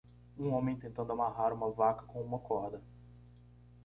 Um homem tentando amarrar uma vaca com uma corda.